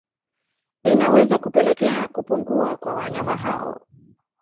Inaweza kupelekea kupungua kwa wanyama hao